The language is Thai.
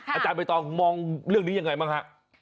อาจารย์ใบตองมองเรื่องนี้ยังไงบ้างฮะ